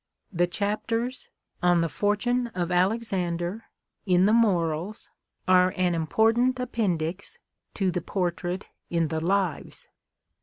The chapters " On the Fortune of Alexander," in the " Morals," are an important appendix to the portrait in the " Lives."